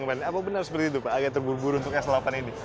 apa benar seperti itu pak agak terburu buru untuk s delapan ini